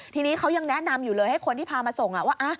ทีนี้เขายังแนะนำอยู่เลยให้คนที่พามาส่งว่า